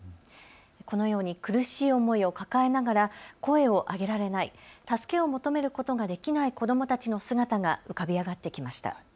このように苦しい思いを抱えながら声を上げられない、助けを求めることができない子どもたちの姿が浮かび上がってきました。